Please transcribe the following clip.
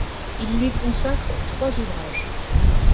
Il lui consacre trois ouvrages.